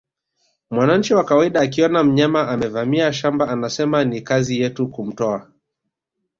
Mwananchi wa kawaida akiona mnyama amevamia shamba anasema ni kazi yetu kumtoa